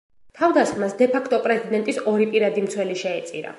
თავდასხმას დე ფაქტო პრეზიდენტის ორი პირადი მცველი შეეწირა.